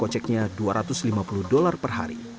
koceknya dua ratus lima puluh dolar per hari